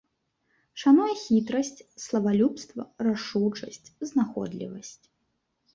Шануе хітрасць, славалюбства, рашучасць, знаходлівасць.